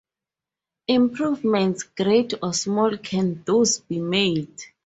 Improvements great or small can thus be made.